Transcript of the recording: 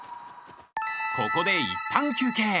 ここでいったん休憩！